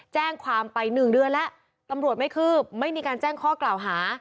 แจ้งความไปหนึ่งเดือนแล้วตำรวจไม่คืบไม่มีการแจ้งข้อกล่าวหา